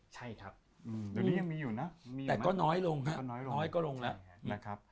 ใช่ครับตอนนี้ยังมีอยู่นะแต่ก็น้อยลงนะน้อยก็ลงละ